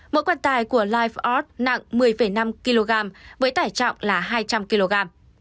mẫu quan tài của life art nặng một mươi năm kg với tải trọng là hai trăm linh kg